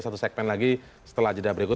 satu segmen lagi setelah jeda berikut